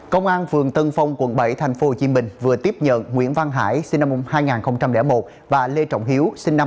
công an phường tân phong quận bảy tp hcm vừa tiếp nhận nguyễn văn hải sinh năm hai nghìn một và lê trọng hiếu sinh năm một nghìn chín trăm